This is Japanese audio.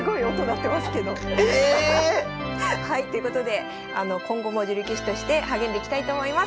はいということで今後も女流棋士として励んでいきたいと思います。